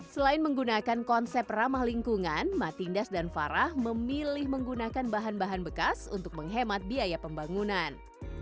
selain menggunakan konsep ramah lingkungan matindas dan farah memilih menggunakan bahan bahan bekas untuk menghemat biaya pembangunan